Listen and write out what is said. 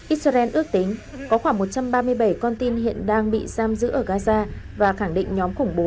israel ước tính có khoảng một trăm ba mươi bảy con tin hiện đang bị giam giữ ở gaza và khẳng định nhóm khủng bố